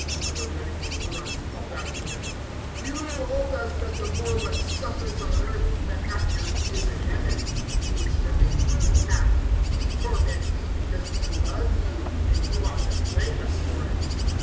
Other renegade Hurons called out to him, "You told us, that, the more one suffers on earth, the happier he is in Heaven. We wish to make you happy; we torment you because we love you; and you ought to thank us for it."